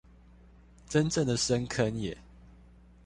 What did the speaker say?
真正的深坑耶